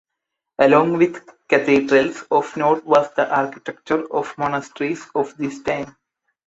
Along with cathedrals, of note was the architecture of monasteries of these times.